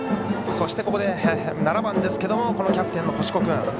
そして、ここで７番ですがキャプテンの星子君。